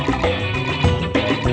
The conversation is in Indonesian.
mati harus selamat atau mampus